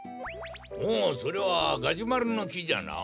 おおそれはガジュマルのきじゃな。